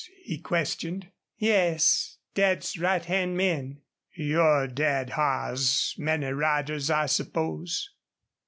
he questioned. "Yes, Dad's right hand men." "Your dad hires many riders, I supposed?"